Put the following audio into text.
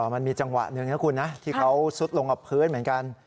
มันมีจังหวะหนึ่งนะคุณนะที่เขาซุดลงกับพื้นเหมือนกัน